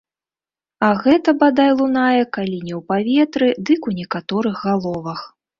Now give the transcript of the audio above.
А гэта, бадай, лунае калі не ў паветры, дык у некаторых галовах.